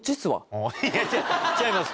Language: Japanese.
違います。